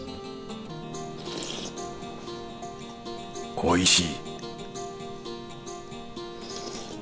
おいしい